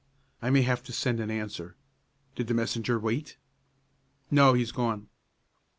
I may have to send an answer. Did the messenger wait?" "No, he's gone."